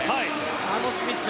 楽しみですね。